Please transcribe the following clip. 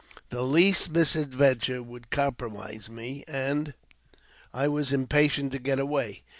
The least misadventure would compromise me, and I was impatient to get away.